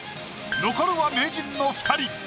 残るは名人の２人。